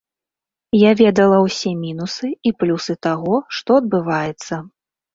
Я ведала ўсе мінусы і плюсы таго, што адбываецца.